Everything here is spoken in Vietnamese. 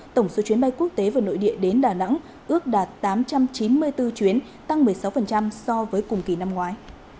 tổng số chuyến bay quốc tế và nội địa đến đà nẵng ước đạt tám trăm chín mươi bốn chuyến tăng một mươi sáu so với cùng kỳ năm ngoái